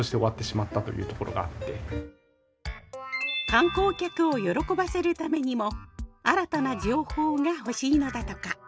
観光客を喜ばせるためにも新たな情報が欲しいのだとか。